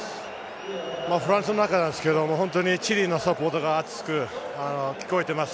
フランスの中なんですが本当にチリのサポーターがあつく聞こえてます。